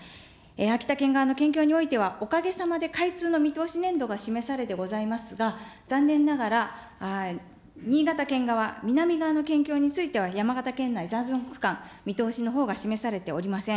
秋田県側の県境においては、おかげさまで開通の見通し年度が示されてございますが、残念ながら新潟県側、南側の県境については、山形県内区間、見通しのほうが示されておりません。